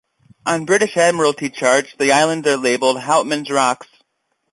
On British Admiralty charts, the islands are labelled "Houtman's Rocks".